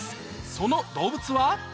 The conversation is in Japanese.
その動物は？